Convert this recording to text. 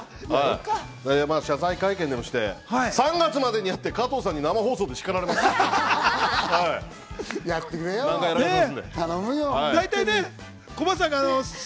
謝罪会見でもして３月までにやって、加藤さんに生放送で叱られたいと思います。